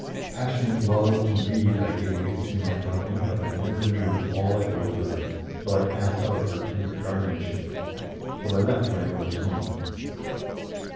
Passionate love, indeed, I gave to my darling, but I never knew all I owed her till I passed out of her tender guardianship, till I left my mother's home.